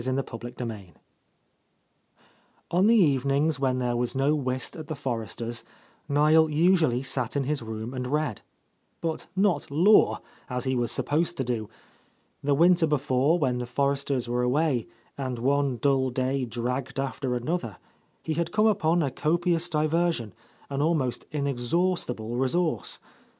— 79 VII O N the evenings when there was no whist at the Forresters', Niel usually sat in his room and read, — but not law, as he was supposed to do. The winter before, when the Forresters were away, and one dull day dragged after another, he had come upon a copious di version, an almost inexhaustible resource.